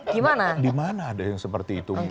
gimana dimana ada yang seperti itu